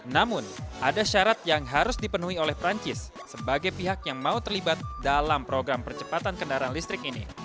namun ada syarat yang harus dipenuhi oleh perancis sebagai pihak yang mau terlibat dalam program percepatan kendaraan listrik ini